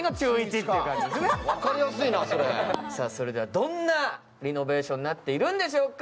どんなリノベーションになっているんでしょうか。